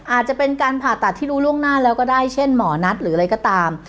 อาจจะเป็นการผ่าตัดที่รู้ล่วงหน้าแล้วก็ได้เช่นหมอนัทหรืออะไรก็ตาม